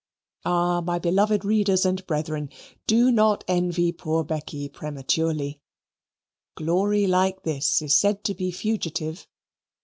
Ah, my beloved readers and brethren, do not envy poor Becky prematurely glory like this is said to be fugitive.